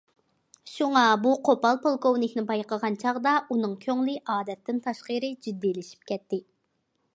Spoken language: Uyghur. شۇڭا، بۇ قوپال پولكوۋنىكنى بايقىغان چاغدا ئۇنىڭ كۆڭلى ئادەتتىن تاشقىرى جىددىيلىشىپ كەتتى.